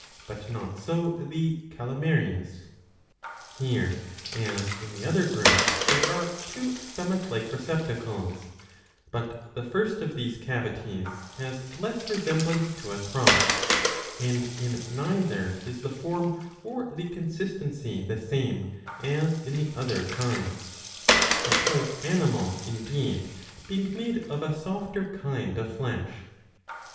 But not so the Calamaries. Here, as in the other groups, there are two stomach like receptacles ; but the first of these cavities has less resemblance to a crop, and in neither is the form or the consistency the same as in the other kinds, the whole animal indeed being made of a softer kind of flesh.